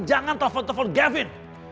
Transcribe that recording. jangan telepon telepon gavin